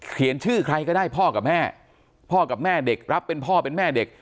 ชื่อใครก็ได้พ่อกับแม่พ่อกับแม่เด็กรับเป็นพ่อเป็นแม่เด็ก